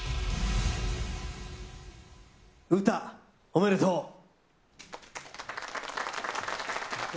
ウタ、おめでとう。